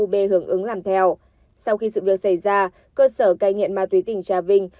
b hưởng ứng làm theo sau khi sự việc xảy ra cơ sở cai nghiện ma túy tỉnh trà vinh